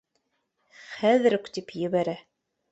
Хәҙер үк, тип ебәрә